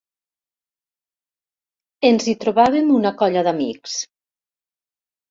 Ens hi trobàvem una colla d'amics.